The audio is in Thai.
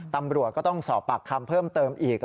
ตำรวจก็ต้องสอบปากคำเพิ่มเติมอีก